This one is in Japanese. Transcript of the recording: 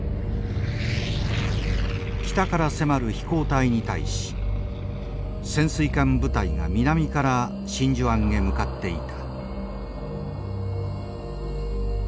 北から迫る飛行隊に対し潜水艦部隊が南から真珠湾へ向かっていた。